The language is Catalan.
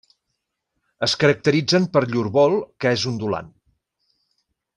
Es caracteritzen per llur vol que és ondulant.